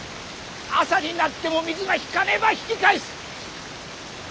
朝になっても水が引かねば引き返す。